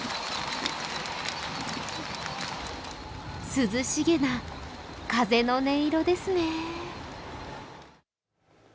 涼しげな風の音色ですね。